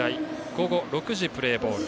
午後６時プレーボール。